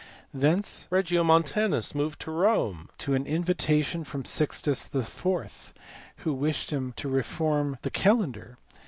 Thence Regiomontanus moved to Rome on an invitation from Sixtus IV. who wished him to reform the calendar.